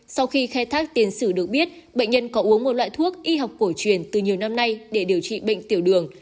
sau khi khai thác tiền sử được biết bệnh nhân có uống một loại thuốc y học cổ truyền từ nhiều năm nay để điều trị bệnh tiểu đường